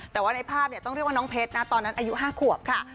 แต่ว่าในภาพต้องเรียกว่าน้องเพชรนะตอนนั้นอายุ๕ขวบค่ะ